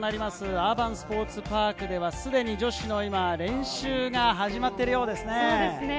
アーバンスポーツパークでは、すでに女子の練習が始まっているようですね。